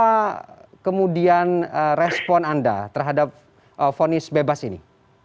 apa kemudian respon anda terhadap fonis bebas ini